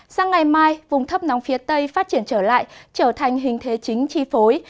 sang ngày mai vùng thấp nóng phía tây phát triển trở lại trở thành hình thế chính chi phối